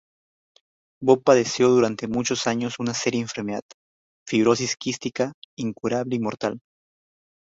Bob padeció durante muchos años una seria enfermedad, fibrosis quística, incurable y mortal.